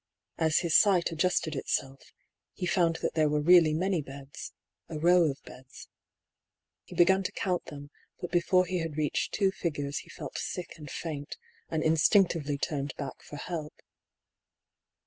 As his sight adjusted itself, he found that there were really many beds — a row of beds. He began to count them, but before he had reached two figures he felt sick and faint, and instinc tively turned back for help.